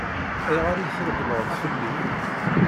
Ayɣer i treggleḍ fell-i?